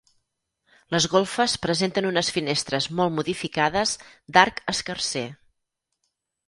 Les golfes presenten unes finestres molt modificades d'arc escarser.